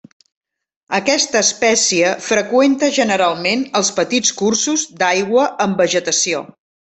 Aquesta espècie freqüenta generalment els petits cursos d'aigua amb vegetació.